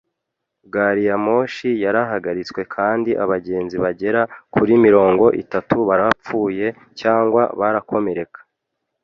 Gari ya moshi yarahagaritswe kandi abagenzi bagera kuri mirongo itatu barapfuye cyangwa barakomereka.